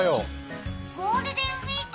ゴールデンウイーク、